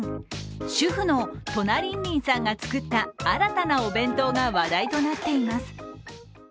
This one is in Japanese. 主婦のとなりんりんさんが作った新たなお弁当が話題となっています。